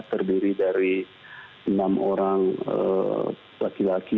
terdiri dari enam orang laki laki